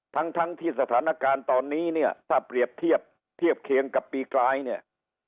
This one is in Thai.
ทั้งทั้งที่สถานการณ์ตอนนี้เนี่ยถ้าเปรียบเทียบเทียบเคียงกับปีกลายเนี่ย